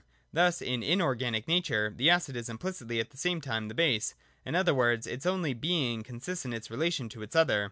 Thus, in inorganic nature, the acid is implicitly at the same time the base : in other words, its only being consists in its relation to its other.